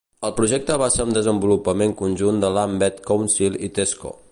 El projecte va ser un desenvolupament conjunt de Lambeth Council i Tesco.